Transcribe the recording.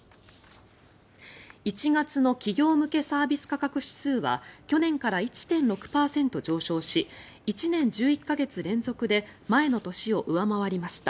１月の企業向けサービス価格指数は去年から１．６％上昇し１年１１か月連続で前の年を上回りました。